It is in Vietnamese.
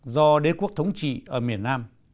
do đế quốc thống trị ở miền nam